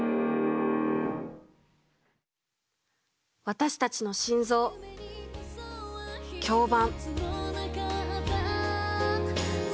私たちの心臓響板。